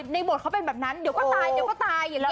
ในบทเค้าเป็นแบบนั้นเดี๋ยวก็ตาย